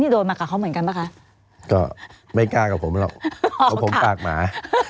โดนมากับเขาเหมือนกันป่ะคะก็ไม่กล้ากับผมหรอกเพราะผมปากหมา